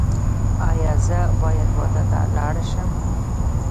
ایا زه باید واده ته لاړ شم؟